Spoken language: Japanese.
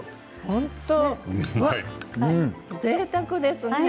本当にぜいたくですね。